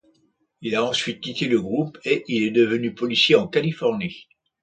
Il a ensuite quitté le groupe et il est devenu policier en Californie.